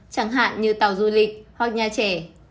chẳng hạn như tàu du lịch hoặc nhà trẻ